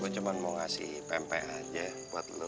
gue cuma mau kasih pempek aja buat lo